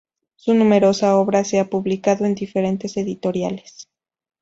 Su numerosa obra se ha publicado en diferentes editoriales.